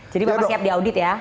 jadi bapak siap diaudit ya